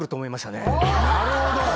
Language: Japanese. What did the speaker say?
なるほど！